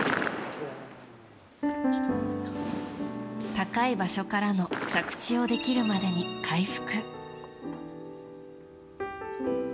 高い場所からの着地をできるまでに回復。